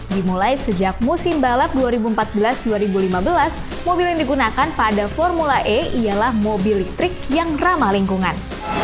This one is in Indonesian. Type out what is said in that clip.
dimulai sejak musim balap dua ribu empat belas dua ribu lima belas mobil yang digunakan pada formula e ialah mobil listrik yang ramah lingkungan